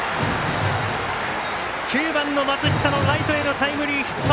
９番の松下のライトへのタイムリーヒット！